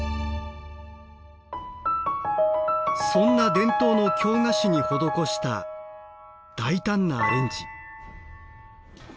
そんな伝統の京菓子に施した大胆なアレンジ。